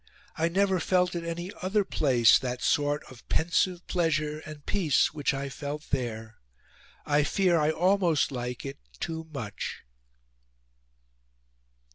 I never felt at any other place that sort of pensive pleasure and peace which I felt there. I fear I almost like it too much."